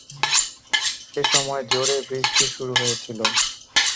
সে সময় জোরে বৃষ্টি শুরু হয়েছিল।